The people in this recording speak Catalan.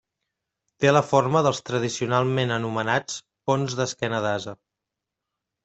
Té la forma dels tradicionalment anomenats ponts d'esquena d'ase.